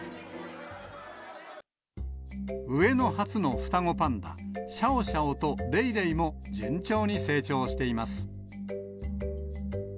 上野初の双子パンダ、シャオシャオとレイレイも順調に成長しています。